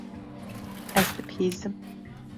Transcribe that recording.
Ez dibihîzim.